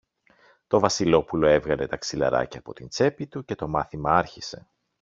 Το Βασιλόπουλο έβγαλε τα ξυλαράκια από την τσέπη του και το μάθημα άρχισε.